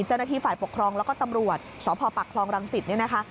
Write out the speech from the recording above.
เจ้าหน้าที่ฝ่ายปกครองแล้วก็ตำรวจสพปักคลองรังสิตเนี่ยนะคะ